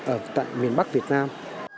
ở tận miền bắc việt nam